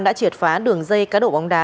đã triệt phá đường dây cá độ bóng đá